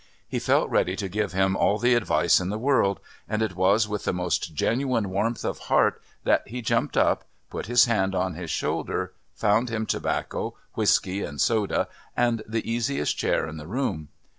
He felt ready to give him all the advice in the world, and it was with the most genuine warmth of heart that he jumped up, put his hand on his shoulder, found him tobacco, whisky and soda, and the easiest chair in the room.